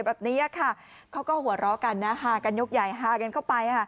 ลงมาแล้ว